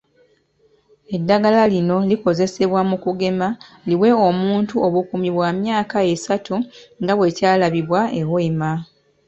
Eddagala lino Likozesebwa mu kugema liwe omuntu obukuumi bwa myaka esatu nga bwe kyalabibwa e Hoima.